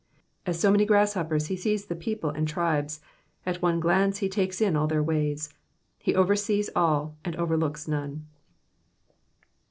As so many grasshoppers he sees the people and tribes, at one glance he takes in all their ways. He oversees all and overlooks none.